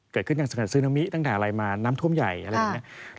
การสกัดซึนามิตั้งแต่อะไรมาน้ำท่วมใหญ่อะไรอย่างนี้